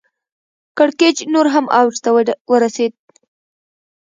کړکېچ نور هم اوج ته ورسېد.